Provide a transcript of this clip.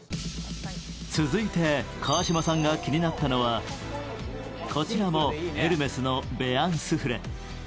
続いて川島さんが気になったのはこちらもエルメスのベアンスフレ。